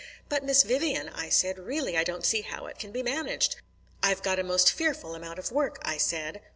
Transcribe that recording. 'But, Miss Vivian,' I said, 'really I don't see how it can be managed. I've got a most fearful amount of work,' I said.